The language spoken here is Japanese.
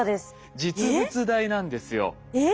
実物大なんですよ。